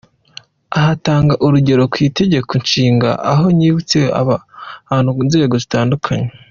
Aha atanga urugero ku itegeko nshinga, aho ryibutse aba bantu mu nzego zitandukanye.